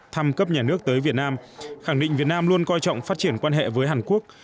thăm cấp nhà nước tới việt nam khẳng định việt nam luôn coi trọng phát triển quan hệ với hàn quốc